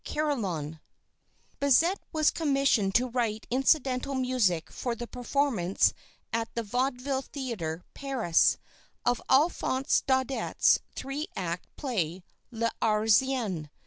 CARILLON Bizet was commissioned to write incidental music for the performance at the Vaudeville Theatre, Paris, of Alphonse Daudet's three act play "L'Arlésienne."